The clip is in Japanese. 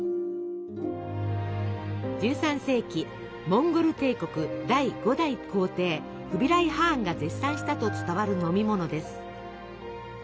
１３世紀モンゴル帝国第５代皇帝フビライ・ハーンが絶賛したと伝わる飲み物です。